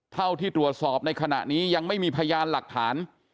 เท่าที่ตรวจสอบในขณะนี้ยังไม่มีพยานหลักฐาน